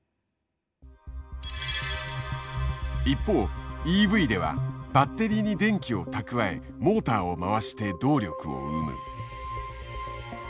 一方ＥＶではバッテリーに電気を蓄えモーターを回して動力を生む。